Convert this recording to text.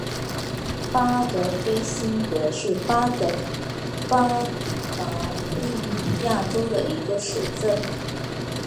巴德菲辛格是德国巴伐利亚州的一个市镇。